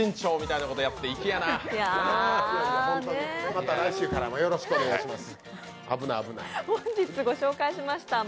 いや、本当にまた来週からもよろしくお願いします。